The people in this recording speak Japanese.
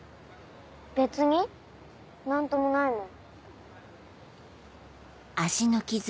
別に何ともないもん。